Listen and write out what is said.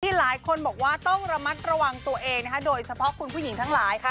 หลายคนบอกว่าต้องระมัดระวังตัวเองนะคะโดยเฉพาะคุณผู้หญิงทั้งหลายค่ะ